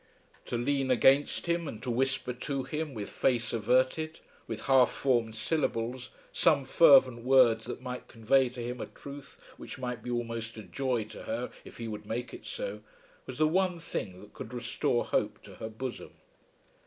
To lean against him, and to whisper to him, with face averted, with half formed syllables, some fervent words that might convey to him a truth which might be almost a joy to her if he would make it so, was the one thing that could restore hope to her bosom.